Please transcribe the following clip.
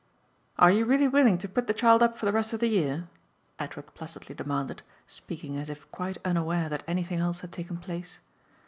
"Are you really willing to put the child up for the rest of the year?" Edward placidly demanded, speaking as if quite unaware that anything else had taken place.